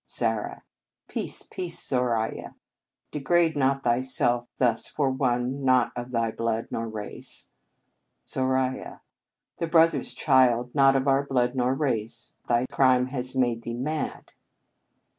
Zara. Peace, peace, Zoraiya! De grade not thyself thus for one not of thy blood nor race. Zoraiya. Thy brother s child not of our blood nor race ! Thy crime has made thee mad.